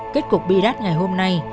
kết cục bị đắt ngày hôm nay